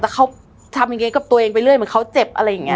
แต่เขาทำอีกนิดกับตัวเองไปเรื่อยเหมือนเค้าเจ็บ